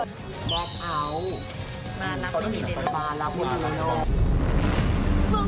นักข่าวที่ทำมาสูงมาก